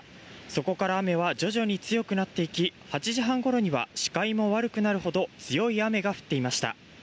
そこから雨は徐々に強くなっていき８時半ごろには視界も悪くなるほど強い雨が降っていました。